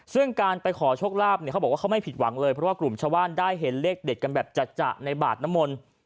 ซึ่งการไปขอโชคลาภเนี่ยเขาบอกว่าเขาไม่ผิดหวังเลยเพราะว่ากลุ่มชาวบ้านได้เห็นเลขเด็ดกันแบบจัดในบาทน้ำมนต์